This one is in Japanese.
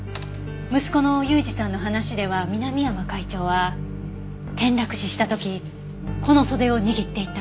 息子の勇司さんの話では南山会長は転落死した時この袖を握っていた。